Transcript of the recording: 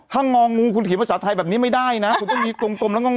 ถ้างองูคุณเขียนภาษาไทยแบบนี้ไม่ได้นะคุณต้องมีกลมแล้วงอ